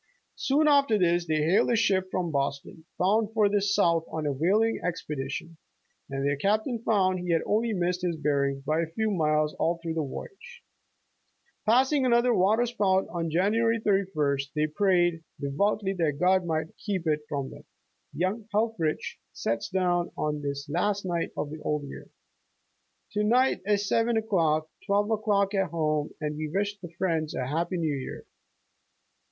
Soon after this they hailed a ship from Boston, bound for the south on a whaling expedition, and their Captain found he had only missed his bearings hy a few miles all through the voyage. Passing another water spout on January 31st, th^y "prayed devoutly that God might keep it from them." Young Helffrich sets down on this last night of the old year :'' To night at seven o 'clock, twelve o 'clock at home, we wished the friends a "Happy New Year!"